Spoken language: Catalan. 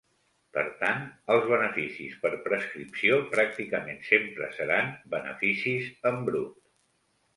Per tant, els beneficis per prescripció pràcticament sempre seran beneficis en brut.